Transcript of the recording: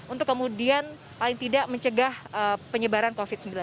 untuk kemudian paling tidak mencegah penyebaran covid sembilan belas